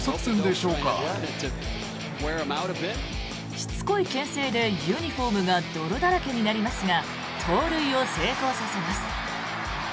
しつこいけん制でユニホームが泥だらけになりますが盗塁を成功させます。